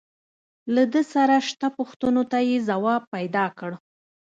له ده سره شته پوښتنو ته يې ځواب پيدا کړ.